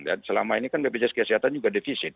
dan selama ini kan bpjs kesehatan juga difisit